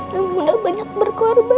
dan bunda banyak berkorban